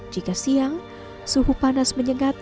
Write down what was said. jika siang suhu panas menyengat